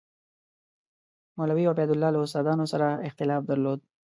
مولوي عبیدالله له استادانو سره اختلاف درلود.